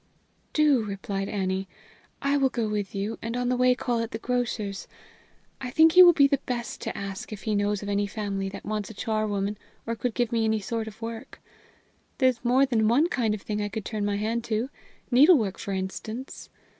"Do," replied Annie. "I will go with you, and on the way call at the grocer's I think he will be the best to ask if he knows of any family that wants a charwoman or could give me any sort of work. There's more than one kind of thing I could turn my hand to needle work, for instance.